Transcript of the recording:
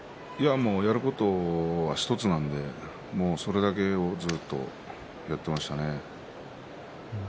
やることは１つなのでそれだけをずっとやっていましたね。